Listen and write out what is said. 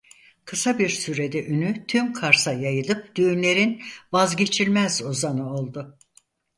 Kısa bir sürede ünü tüm Kars'a yayılıp düğünlerin vazgeçilmez ozanı oldu.